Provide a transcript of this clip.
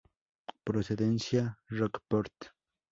Procedencia: Rockport.